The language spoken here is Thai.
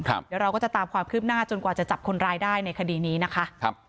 เดี๋ยวเราก็จะตามความคืบหน้าจนกว่าจะจับคนร้ายได้ในคดีนี้นะคะ